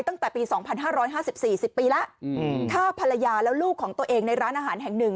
ตั้งแต่ปี๒๕๕๔๐ปีแล้วฆ่าภรรยาแล้วลูกของตัวเองในร้านอาหารแห่งหนึ่ง